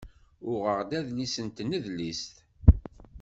Uɣeɣ-d adlis si tnedlist.